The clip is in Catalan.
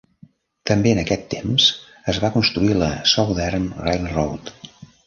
També en aquest temps es va construir la Southern Railroad.